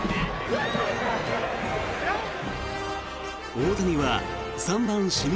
大谷は３番指名